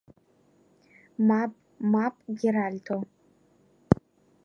Мап, мап, Геральдо!